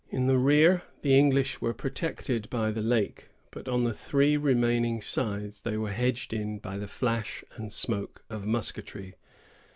In the rear, the English were protected by the lake; but on the three remaining sides, they were hedged in by the flash and smoke of musketry.